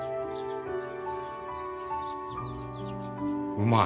うまい。